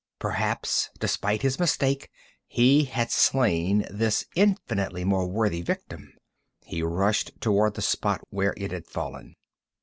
Perhaps, despite his mistake, he had slain this infinitely more worthy victim. He rushed toward the spot where it had fallen.